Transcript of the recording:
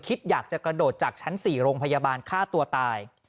คิดอยากจะกระโดดจากชั้น๔โรงพยาบาลฆ่าตัวตาย